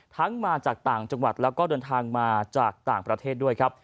มาจากต่างจังหวัดแล้วก็เดินทางมาจากต่างประเทศด้วยครับ